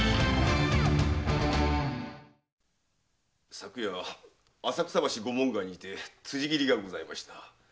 昨夜浅草橋御門外にて辻斬りがございました。